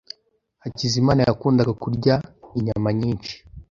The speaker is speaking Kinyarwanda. Hakizimana yakundaga kurya inyama nyinshi.